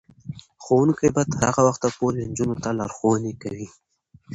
ښوونکې به تر هغه وخته پورې نجونو ته لارښوونې کوي.